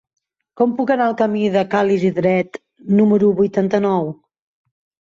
Com puc anar al camí de Ca l'Isidret número vuitanta-nou?